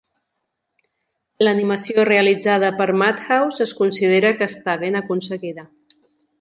L'animació realitzada per Madhouse es considera que està ben aconseguida.